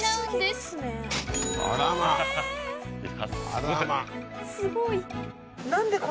すごい。